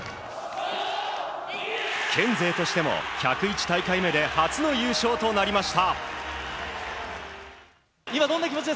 県勢としても１０１大会目で初の優勝となりました。